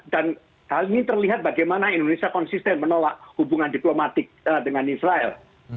dan hal ini terlihat bagaimana indonesia konsisten menolak hubungan diplomatik dengan israel